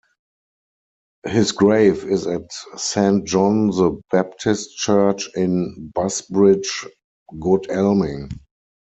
His grave is at Saint John the Baptist church in Busbridge, Godalming.